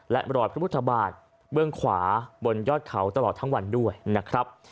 และรอยพระพุทธบาทเบื้องขวาบนยอดเขาตลอดทั้งวันด้วยนะครับ